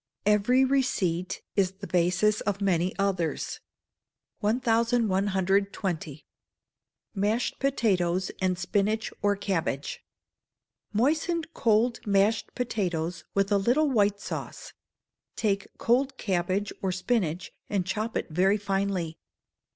[EVERY RECEIPT IS THE BASIS OF MANY OTHERS.] 1120. Mashed Potatoes and Spinach or Cabbage. Moisten cold mashed potatoes with a little white sauce: take cold cabbage or spinach, and chop it very finely.